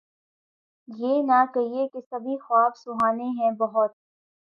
یہ نہ کہیے کہ سبھی خواب سہانے ہیں بہت